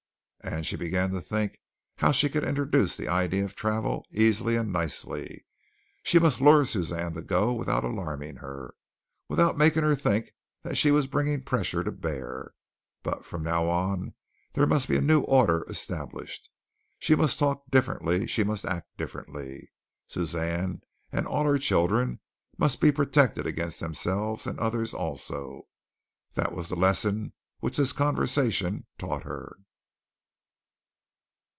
And she began to think how she could introduce the idea of travel easily and nicely. She must lure Suzanne to go without alarming her without making her think that she was bringing pressure to bear. But from now on there must be a new order established. She must talk differently; she must act differently. Suzanne and all her children must be protected against themselves and others also. That was the lesson which this conversation taught her.